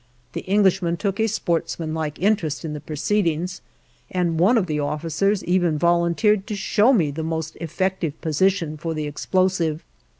The Englishmen took a sportsmanlike interest in the proceedings, and one of the officers even volunteered to show me the most effective position for the explosive.